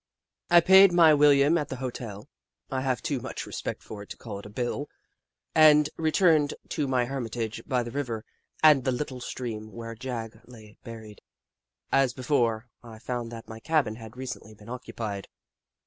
I paid my William at the hotel — I have too much respect for it to call it a bill — and re turned to my hermitage by the river and the little stream, where Jagg lay buried. As be fore, I found that my cabin had recently been occupied.